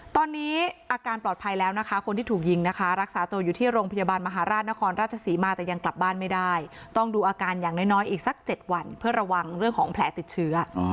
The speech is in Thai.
ตอนนี้อาการปลอดภัยแล้วนะคะคนที่ถูกยิงนะคะรักษาตัวอยู่ที่โรงพยาบาลมหาราชนครราชศรีมาแต่ยังกลับบ้านไม่ได้ต้องดูอาการอย่างน้อยอีกสัก๗วันเพื่อระวังเรื่องของแผลติดเชื้อ